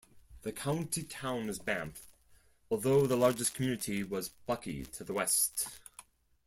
The county town was Banff although the largest community was Buckie to the west.